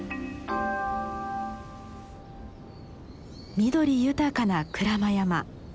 緑豊かな鞍馬山。